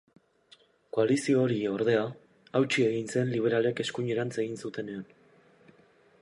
Koalizio hori, ordea, hautsi egin zen liberalek eskuinerantz egin zutenean.